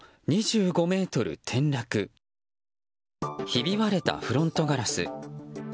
ひび割れたフロントガラス。